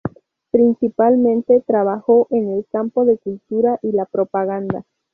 Principalmente trabajó en el campo de cultura y la propaganda.